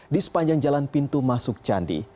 di sepanjang jalan pintu masuk candi